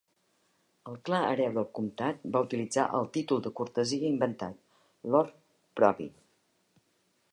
El clar hereu del comtat va utilitzar el títol de cortesia inventat "Lord Proby".